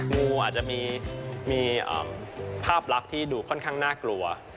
งูอาจจะมีภาพลักษณ์ที่ดูค่อนข้างน่ากลัว